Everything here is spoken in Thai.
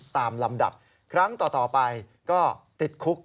ต่อไปก็ติดคุก